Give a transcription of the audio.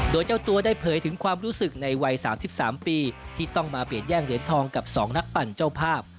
โดยเจ้าตัวได้เผยถึงความรู้สึกในวัย๓๓ปีที่ต้องมาเปลี่ยนแย่งเหรียญทองกับ๒นักปั่นเจ้าภาพ